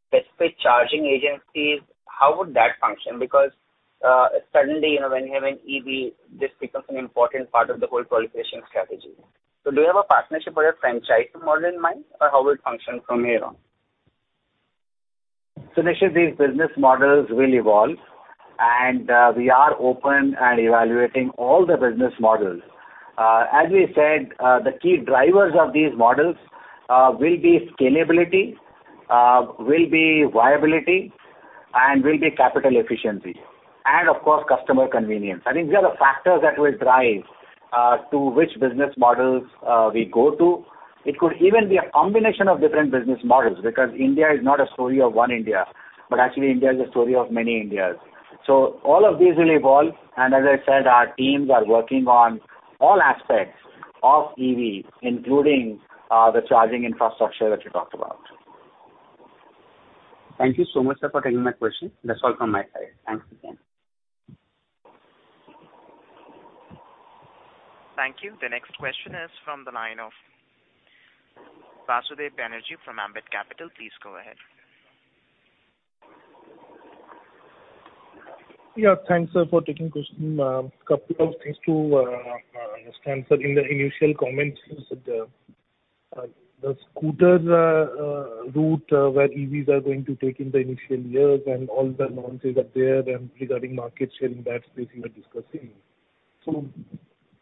Speaker 14: specific charging agencies? How would that function? Because suddenly, when you have an EV, this becomes an important part of the whole proliferation strategy. Do you have a partnership or a franchise model in mind, or how will it function from here on?
Speaker 4: Arvind, these business models will evolve, and we are open and evaluating all the business models. As we said, the key drivers of these models will be scalability, will be viability, and will be capital efficiency, and of course, customer convenience. I think they are the factors that will drive to which business models we go to. It could even be a combination of different business models, because India is not a story of one India, but actually India is a story of many Indias. All of these will evolve, and as I said, our teams are working on all aspects of EV, including the charging infrastructure that you talked about.
Speaker 14: Thank you so much, sir, for taking my question. That is all from my side. Thanks again.
Speaker 1: Thank you. The next question is from the line of Basudeb Banerjee from Ambit Capital. Please go ahead.
Speaker 15: Thanks, sir, for taking question. A couple of things to understand, sir. In the initial comments, you said the scooter route where EVs are going to take in the initial years and all the launches are there, and regarding market share in that space you are discussing.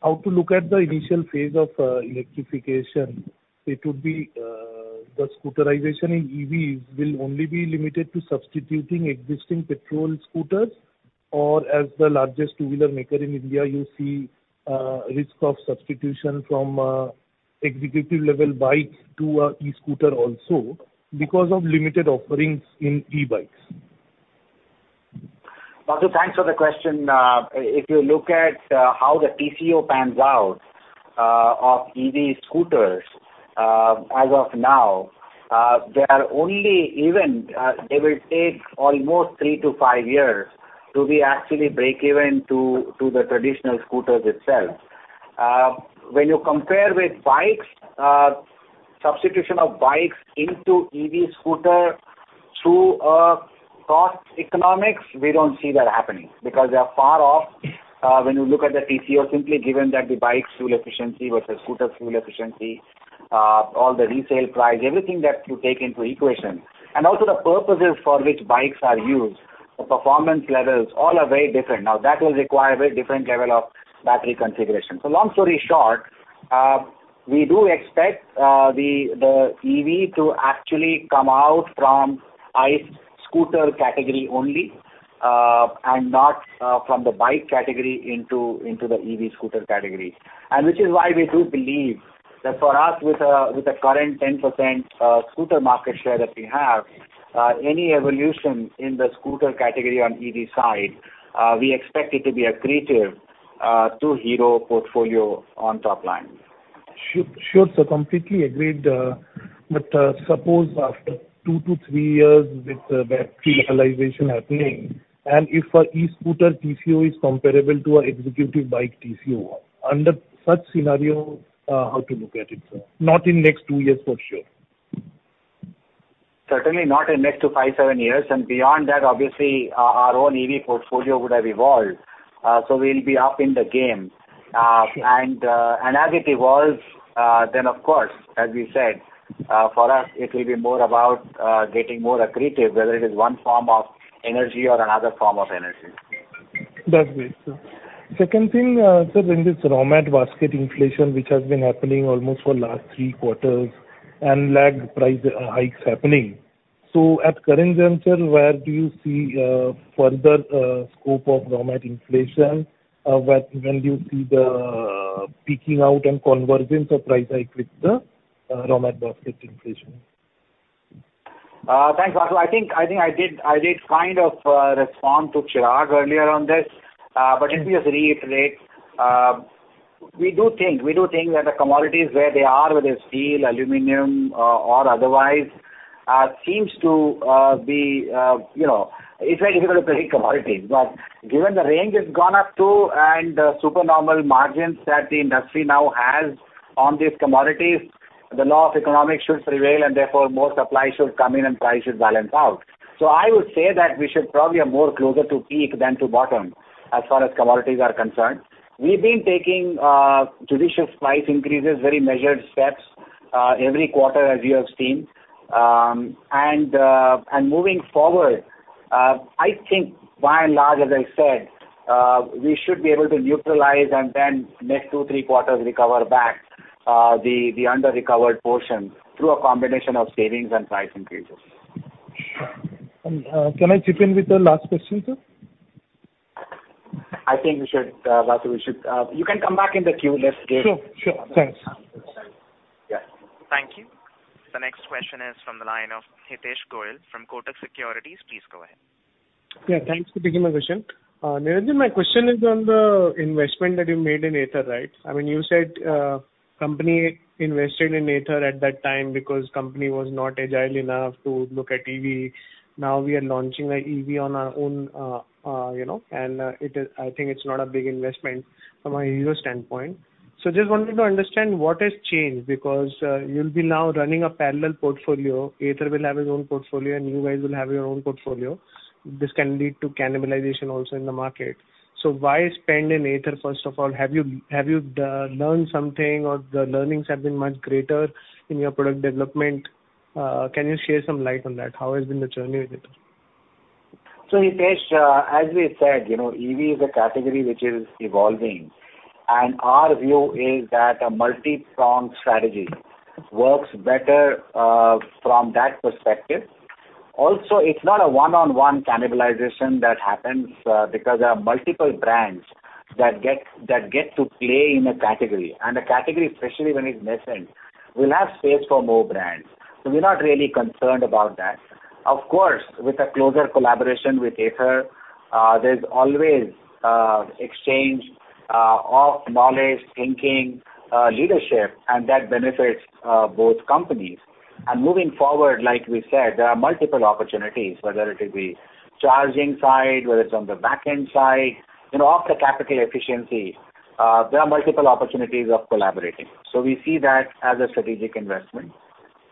Speaker 15: how to look at the initial phase of electrification, it would be the scooterization in EVs will only be limited to substituting existing petrol scooters, or as the largest two-wheeler maker in India, you see a risk of substitution from executive level bikes to a e-scooter also because of limited offerings in e-bikes?
Speaker 4: Basudeb, thanks for the question. If you look at how the TCO pans out of EV scooters as of now, they will take almost two to three years to be actually break-even to the traditional scooters itself. When you compare with bikes, substitution of bikes into EV scooter through a cost economics, we don't see that happening because they are far off. When you look at the TCO, simply given that the bike's fuel efficiency versus scooter fuel efficiency, all the resale price, everything that you take into account. Also the purposes for which bikes are used, the performance levels, all are very different. That will require a very different level of battery configuration. Long story short, we do expect the EV to actually come out from ICE scooter category only, not from the bike category into the EV scooter category. Which is why we do believe that for us with the current 10% scooter market share that we have, any evolution in the scooter category on EV side, we expect it to be accretive to Hero portfolio on top line.
Speaker 15: Sure, sir. Completely agreed. Suppose after two to three years with the battery localization happening, and if a e-scooter TCO is comparable to an executive bike TCO. Under such scenario, how to look at it, sir? Not in next two years, for sure.
Speaker 4: Certainly not in next five to seven years. Beyond that, obviously, our own EV portfolio would have evolved. We'll be up in the game. As it evolves, of course, as we said, for us it will be more about getting more accretive, whether it is one form of energy or another form of energy.
Speaker 15: That's great, sir. Second thing, sir, when this raw material basket inflation which has been happening almost for last three quarters and lagged price hikes happening. At current juncture, where do you see further scope of raw material inflation? When do you see the peaking out and convergence of price hike with the raw material basket inflation?
Speaker 4: Thanks, Basudeb. I think I did kind of respond to Chirag earlier on this, let me just reiterate. We do think that the commodities where they are, whether steel, aluminum or otherwise, it's very difficult to predict commodities. Given the range it's gone up to and the supernormal margins that the industry now has on these commodities, the law of economics should prevail, and therefore, more supply should come in and price should balance out. I would say that we should probably are more closer to peak than to bottom, as far as commodities are concerned. We've been taking judicious price increases, very measured steps every quarter, as you have seen. Moving forward, I think by and large, as I said, we should be able to neutralize and then next two, three quarters recover back the under-recovered portion through a combination of savings and price increases.
Speaker 15: Sure. Can I chip in with the last question, sir?
Speaker 4: I think, Basudeb Banerjee, you can come back in the queue.
Speaker 15: Sure. Thanks.
Speaker 1: Question is from the line of Hitesh Goel from Kotak Securities. Please go ahead.
Speaker 16: Yeah. Thanks for taking my question. Niranjan, my question is on the investment that you made in Ather, right? You said company invested in Ather at that time because company was not agile enough to look at EV. Now we are launching a EV on our own, and I think it's not a big investment from a Hero standpoint. Just wanted to understand what has changed, because you'll be now running a parallel portfolio. Ather will have his own portfolio, and you guys will have your own portfolio. This can lead to cannibalization also in the market. Why spend in Ather, first of all? Have you learned something or the learnings have been much greater in your product development? Can you share some light on that? How has been the journey with Ather?
Speaker 4: Hitesh, as we said, EV is a category which is evolving. Our view is that a multi-pronged strategy works better from that perspective. It's not a one-on-one cannibalization that happens, because there are multiple brands that get to play in a category. A category, especially when it's nascent, will have space for more brands. We're not really concerned about that. Of course, with a closer collaboration with Ather, there's always exchange of knowledge, thinking, leadership, and that benefits both companies. Moving forward, like we said, there are multiple opportunities, whether it'll be charging side, whether it's on the back-end side. Off the capital efficiency, there are multiple opportunities of collaborating. We see that as a strategic investment.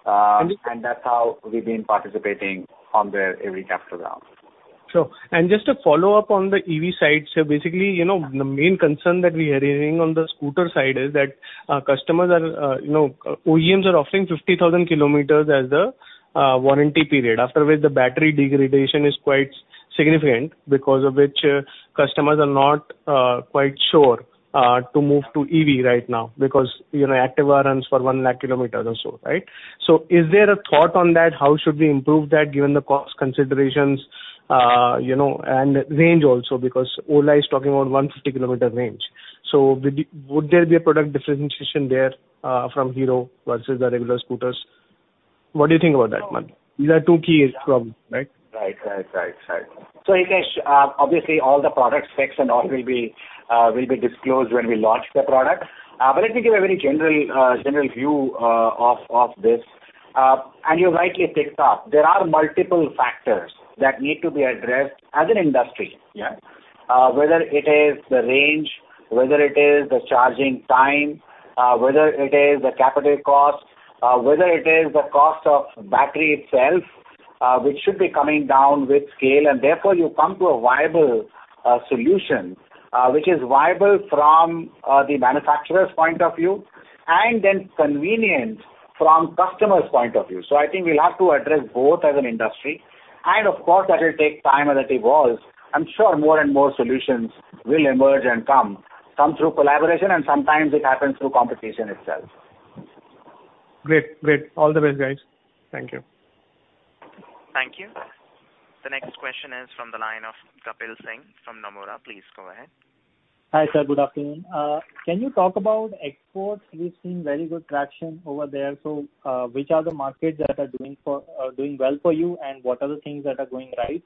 Speaker 16: And-
Speaker 4: That's how we've been participating on their every capital round.
Speaker 16: Sure. Just to follow up on the EV side, the main concern that we are hearing on the scooter side is that customers are OEMs are offering 50,000 kilometers as the warranty period, after which the battery degradation is quite significant, because of which customers are not quite sure to move to EV right now, because Honda Activa runs for 1 lakh kilometers or so, right? Is there a thought on that? How should we improve that given the cost considerations, and range also because Ola is talking about 150 kilometer range. Would there be a product differentiation there, from Hero versus the regular scooters? What do you think about that, Niranjan? These are two key problems, right?
Speaker 4: Right. Hitesh, obviously, all the product specs and all will be disclosed when we launch the product. Let me give a very general view of this. You rightly picked up. There are multiple factors that need to be addressed as an industry.
Speaker 16: Yeah.
Speaker 4: Whether it is the range, whether it is the charging time, whether it is the capital cost, whether it is the cost of battery itself, which should be coming down with scale, and therefore you come to a viable solution, which is viable from the manufacturer's point of view, and then convenience from customer's point of view. I think we'll have to address both as an industry. Of course, that will take time as it evolves. I'm sure more and more solutions will emerge and come, some through collaboration, and sometimes it happens through competition itself.
Speaker 16: Great. All the best, guys. Thank you.
Speaker 1: Thank you. The next question is from the line of Kapil Singh from Nomura. Please go ahead.
Speaker 17: Hi, sir. Good afternoon. Can you talk about exports? We've seen very good traction over there. Which are the markets that are doing well for you, and what are the things that are going right?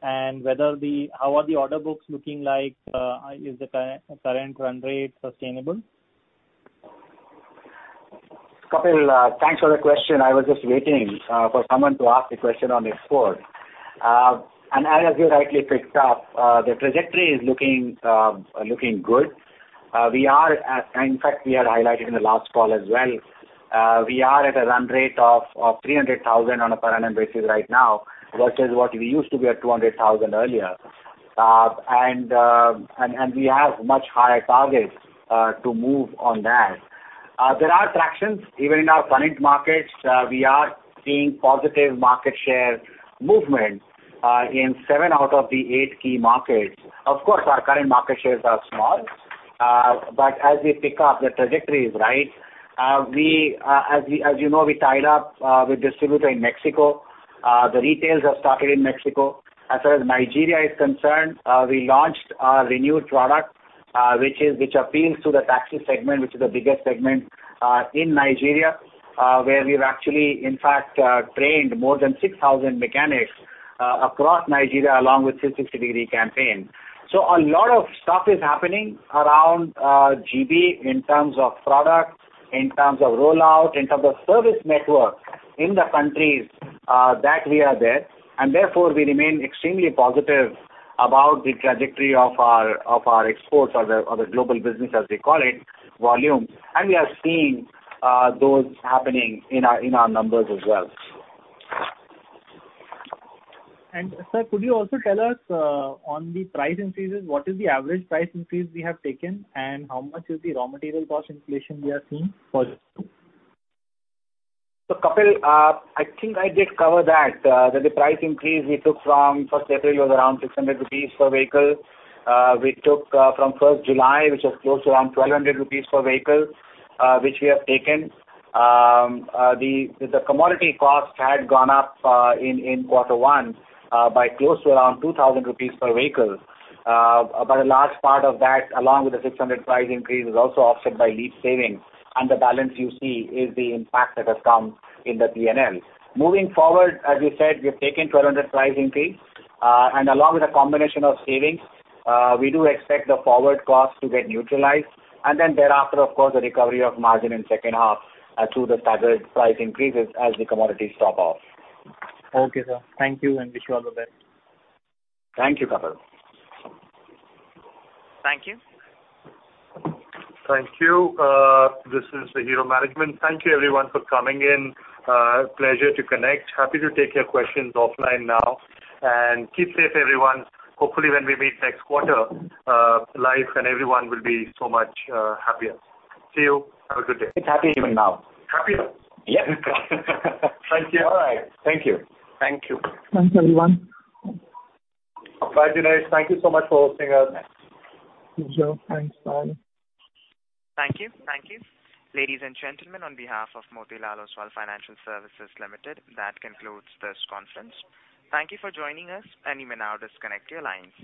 Speaker 17: How are the order books looking like? Is the current run rate sustainable?
Speaker 4: Kapil, thanks for the question. I was just waiting for someone to ask a question on export. As you rightly picked up, the trajectory is looking good. In fact, we had highlighted in the last call as well. We are at a run rate of 300,000 on a per annum basis right now, versus what we used to be at 200,000 earlier. We have much higher targets to move on that. There are tractions even in our current markets. We are seeing positive market share movement, in seven out of the eight key markets. Of course, our current market shares are small. As we pick up, the trajectory is right. As you know, we tied up with distributor in Mexico. The retails have started in Mexico. As far as Nigeria is concerned, we launched our renewed product, which appeals to the taxi segment, which is the biggest segment, in Nigeria, where we've actually in fact, trained more than 6,000 mechanics across Nigeria along with 360-degree campaign. A lot of stuff is happening around GB in terms of product, in terms of rollout, in terms of service network in the countries that we are there. Therefore, we remain extremely positive about the trajectory of our exports or the global business, as we call it, volume. We are seeing those happening in our numbers as well.
Speaker 17: Sir, could you also tell us on the price increases, what is the average price increase we have taken, and how much is the raw material cost inflation we are seeing for this too?
Speaker 4: Kapil, I think I did cover that the price increase we took from 1st April was around 600 rupees per vehicle. We took from July 1st, which was close to around 1,200 rupees per vehicle, which we have taken. The commodity cost had gone up in Quarter One by close to around 2,000 rupees per vehicle. A large part of that, along with the 600 price increase, was also offset by Leap savings, and the balance you see is the impact that has come in the P&L. Moving forward, as we said, we have taken 1,200 price increase. Along with the combination of savings, we do expect the forward cost to get neutralized. Then thereafter, of course, the recovery of margin in second half, through the staggered price increases as the commodities drop off.
Speaker 17: Okay, sir. Thank you, and wish you all the best.
Speaker 4: Thank you, Kapil.
Speaker 1: Thank you.
Speaker 3: Thank you. This is the Hero management. Thank you everyone for coming in. Pleasure to connect. Happy to take your questions offline now. Keep safe, everyone. Hopefully, when we meet next quarter, life and everyone will be so much happier. See you. Have a good day.
Speaker 4: It's happy even now.
Speaker 3: Happier.
Speaker 4: Yeah.
Speaker 3: Thank you.
Speaker 4: All right. Thank you.
Speaker 3: Bye, Jinesh. Thank you so much for hosting us.
Speaker 2: Good job. Thanks, bye.
Speaker 1: Thank you. Ladies and gentlemen, on behalf of Motilal Oswal Financial Services Limited, that concludes this conference. Thank you for joining us, and you may now disconnect your lines.